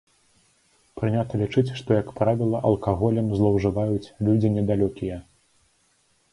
Прынята лічыць, што, як правіла, алкаголем злоўжываюць людзі недалёкія.